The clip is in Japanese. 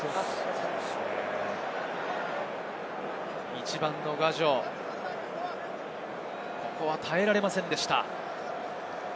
１番のガジョ、ここは耐えられませんでした。